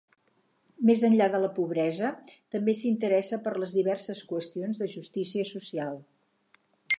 Més enllà de la pobresa, també s'interessa per les diverses qüestions de justícia social.